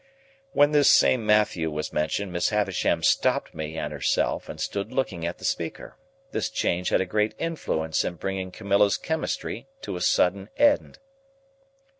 When this same Matthew was mentioned, Miss Havisham stopped me and herself, and stood looking at the speaker. This change had a great influence in bringing Camilla's chemistry to a sudden end.